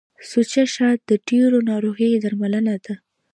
سوچه شات د ډیرو ناروغیو درملنه ده.